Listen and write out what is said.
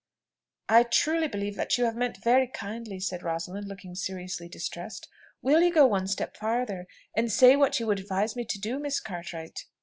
"I truly believe that you have meant very kindly," said Rosalind, looking seriously distressed. "Will you go one step farther, and say what you would advise me to do, Miss Cartwright?"